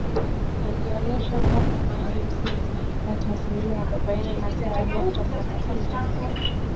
yalionesha kwamba Maalim Seif alipata asilimia arobaini na sita nukta saba sita